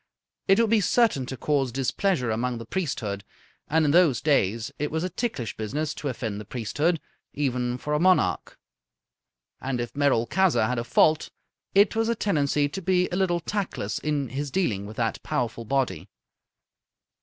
It would be certain to cause displeasure among the priesthood; and in those days it was a ticklish business to offend the priesthood, even for a monarch. And, if Merolchazzar had a fault, it was a tendency to be a little tactless in his dealings with that powerful body.